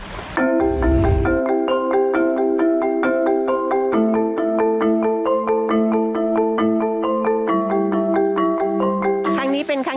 ปู่พญานาคี่อยู่ในกล่อง